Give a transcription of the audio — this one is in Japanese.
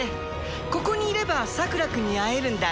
ここにいればさくら君に会えるんだね？